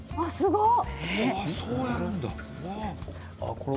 そうやるんだ。